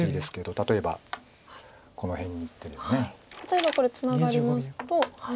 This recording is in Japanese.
例えばこれツナがりますと。